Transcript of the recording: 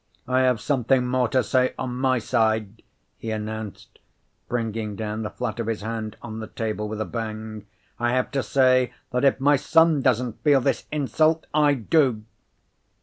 "I have something more to say on my side," he announced, bringing down the flat of his hand on the table with a bang. "I have to say that if my son doesn't feel this insult, I do!"